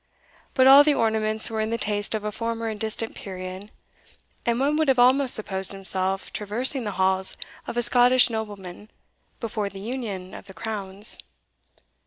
But all the ornaments were in the taste of a former and distant period, and one would have almost supposed himself traversing the halls of a Scottish nobleman before the union of the crowns.